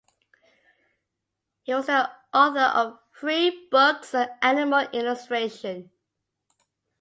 He was the author of three books on animal illustration.